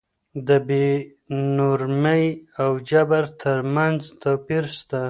د بې نورمۍ او جبر تر منځ توپير سته.